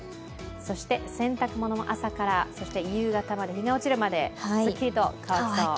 洗濯物も朝から夕方、日が落ちるまですっきりと乾きそう。